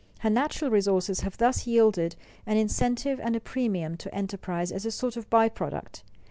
Her natural resources have thus yielded an incentive and a premium to enterprise as a sort of by product.